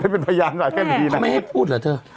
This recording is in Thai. ได้เป็นพยานหลายแค่นี้นะเขาไม่ให้พูดเหรอเธอ